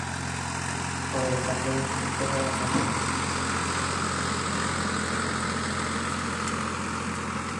ফলে তাদেরকে উত্ত্যক্ত করা হবে না।